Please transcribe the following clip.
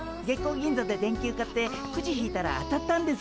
銀座で電球買ってクジ引いたら当たったんです。